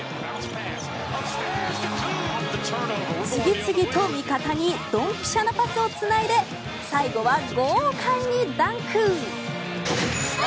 次々と味方にドンピシャなパスをつないで最後は豪快にダンク！